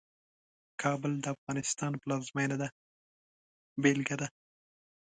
کابل د افغانستان پلازمېنه ده بېلګه ده.